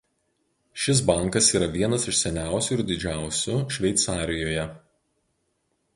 Šis bankas yra vienas iš seniausių ir didžiausių Šveicarijoje.